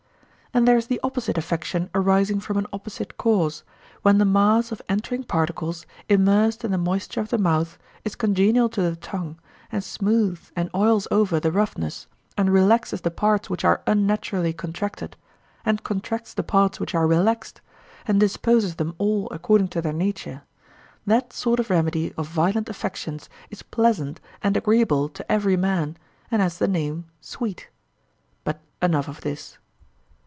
And there is the opposite affection arising from an opposite cause, when the mass of entering particles, immersed in the moisture of the mouth, is congenial to the tongue, and smooths and oils over the roughness, and relaxes the parts which are unnaturally contracted, and contracts the parts which are relaxed, and disposes them all according to their nature;—that sort of remedy of violent affections is pleasant and agreeable to every man, and has the name sweet. But enough of this.